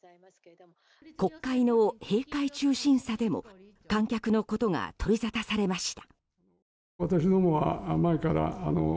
国会の閉会中審査でも観客のことが取りざたされました。